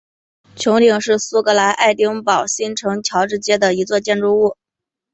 穹顶是苏格兰爱丁堡新城乔治街的一座建筑物。